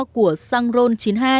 của xăng ron chín mươi hai